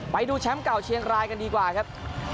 ไปดูแชมป์เก่าเชียงรายกันดีกว่าครับ